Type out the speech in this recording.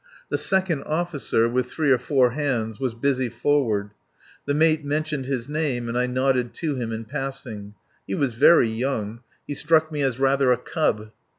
The second officer, with three or four hands, was busy forward. The mate mentioned his name and I nodded to him in passing. He was very young. He struck me as rather a cub.